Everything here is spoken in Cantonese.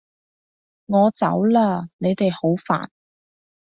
我走喇！你哋好煩